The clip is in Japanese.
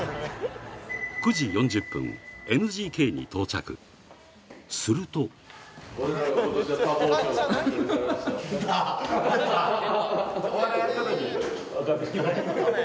９時４０分ＮＧＫに到着すると出た出た！